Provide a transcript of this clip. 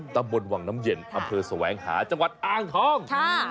ตะบดวังน้ำเย็นท่าเผลอสวังหาจังหวัดอ่างทอง